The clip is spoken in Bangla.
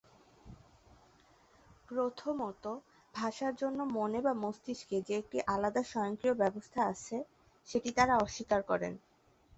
প্রথমত, ভাষার জন্য মনে বা মস্তিষ্কে যে একটি আলাদা স্বয়ংক্রিয় ব্যবস্থা আছে, সেটি তারা অস্বীকার করেন।